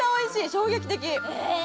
衝撃的。